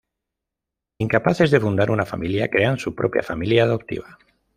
Incapaces de fundar una familia, crean su propia familia adoptiva.